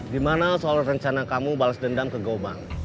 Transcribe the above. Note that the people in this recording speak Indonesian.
di mana soal rencana kamu balas dendam ke gouwang